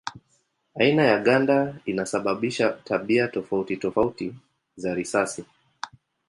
Aina ya ganda inasababisha tabia tofauti tofauti za risasi.